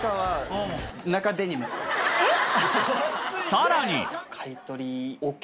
さらに！